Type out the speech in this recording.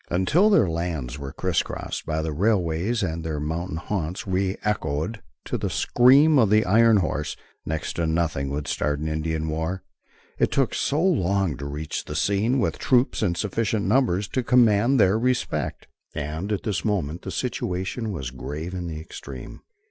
Until their lands were criss crossed by the railways and their mountain haunts re echoed to the scream of the iron horse, next to nothing would start an Indian war: it took so long to reach the scene with troops in sufficient numbers to command their respect. And at this moment the situation was grave in the extreme.